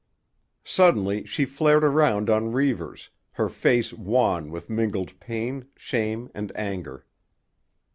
Suddenly she flared around on Reivers, her face wan with mingled pain, shame and anger.